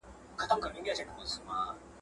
په لویه جرګه کي د بهرني سیاست په اړه څه بحث کیږي؟